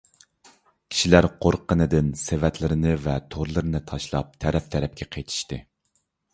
كىشىلەر قورققىنىدىن سېۋەتلىرىنى ۋە تورلىرىنى تاشلاپ تەرەپ - تەرەپكە قېچىشتى.